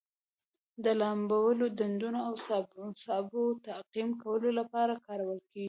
د لامبلو ډنډونو او سابو تعقیم کولو لپاره کارول کیږي.